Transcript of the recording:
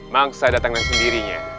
mangsa datanglah sendirinya